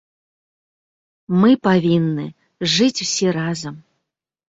Мы павінны жыць усе разам.